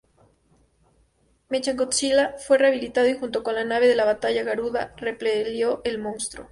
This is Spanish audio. Mechagodzilla fue rehabilitado y junto con la nave de batalla Garuda, repelió al monstruo.